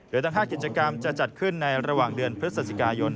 โดยทั้ง๕กิจกรรมจะจัดขึ้นในระหว่างเดือนพฤศจิกายน